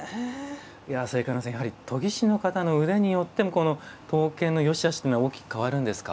末兼さん研ぎ師の方の腕によっても刀剣のよしあしというのは大きく変わるんですか？